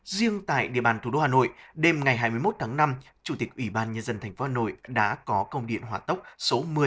riêng tại địa bàn thủ đô hà nội đêm ngày hai mươi một tháng năm chủ tịch ủy ban nhân dân tp hà nội đã có công điện hỏa tốc số một mươi